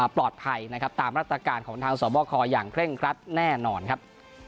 ปลอดภัยนะครับตามรัฐการของทางสวบคอย่างเคร่งครัดแน่นอนครับ